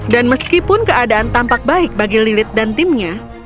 dan meskipun keadaan tampak baik bagi lilith dan timnya